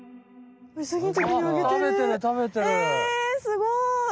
すごい！